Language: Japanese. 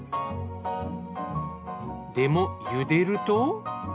でも茹でると。